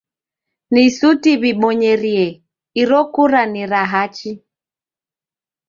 Ni suti w'ibonyerie iro kura ni ra hachi.